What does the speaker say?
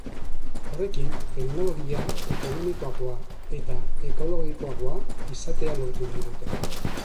Horrekin, teknologia ekonomikoagoa eta ekologikoagoa izatea lortu nahi dute.